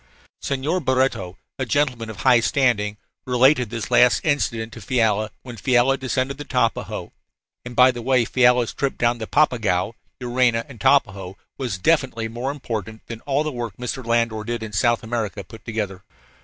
Senhor Barreto, a gentleman of high standing, related this last incident to Fiala when Fiala descended the Tapajos (and, by the way, Fiala's trip down the Papagaio, Juruena, and Tapajos was infinitely more important than all the work Mr. Landor did in South America put together).